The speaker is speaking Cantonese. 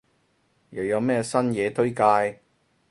又有咩新嘢推介？